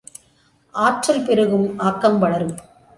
ஆற்றல் பெருகும் ஆக்கம் வளரும்.